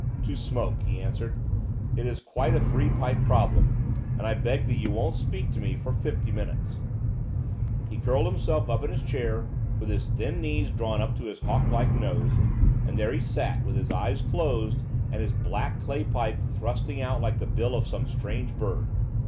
"To smoke," he answered. "It is quite a three pipe problem, and I beg that you won't speak to me for fifty minutes." He curled himself up in his chair, with his thin knees drawn up to his hawk like nose, and there he sat with his eyes closed and his black clay pipe thrusting out like the bill of some strange bird.